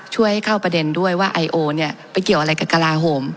ช่วยให้เข้าประเด็นด้วยว่าไอโอเนี่ยไปเกี่ยวอะไรกับกระลาโหม